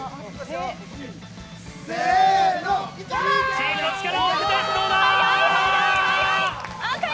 チームの力を合わせてどうだ。